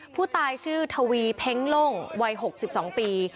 ผู้ตายชื่อทวีเพ้งโล่งวัย๖๒ปี